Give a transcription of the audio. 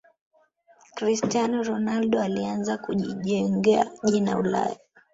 cristiano ronaldo alianza kujijengea jina ulaya